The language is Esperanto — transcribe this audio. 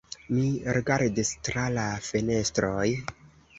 Mi rigardis tra la fenestroj.